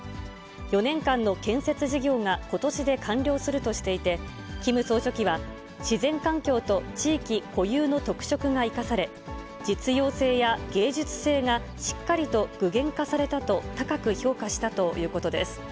４年間の建設事業がことしで完了するとしていて、キム総書記は、自然環境と地域固有の特色が生かされ、実用性や芸術性がしっかりと具現化されたと、高く評価したということです。